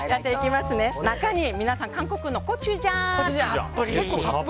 中に皆さん韓国のコチュジャン。